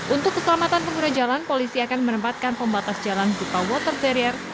untuk keselamatan pengguna jalan polisi akan menempatkan pembatas jalan berupa water barrier